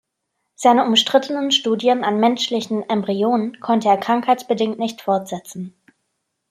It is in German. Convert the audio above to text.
Seine umstrittenen Studien an menschlichen Embryonen konnte er krankheitsbedingt nicht fortsetzen.